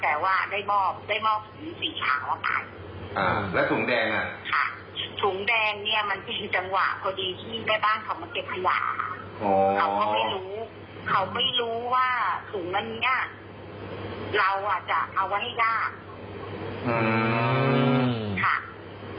เขาไม่รู้ว่าถุงแบบนี้เราจะเอาไว้ให้ยาก